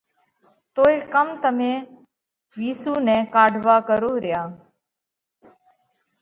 توئي ڪم تمي وِيسُو نئہ ڪاڍوا ڪروه ريا؟